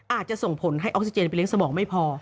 อาจจะส่งผลให้ออกซิเจนไปเลี้ยสมองไม่พอ